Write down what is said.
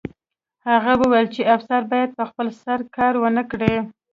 هغه وویل چې افسر باید په خپل سر کار ونه کړي